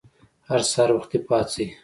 هر سهار وختي پاڅئ!